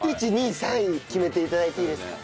１２３位決めて頂いていいですか？